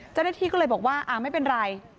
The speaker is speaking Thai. เจ้าหน้าที่ก็เลยบอกว่าไม่เป็นไร